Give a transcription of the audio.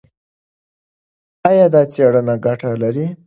ایا دا څېړنه ګټه لري؟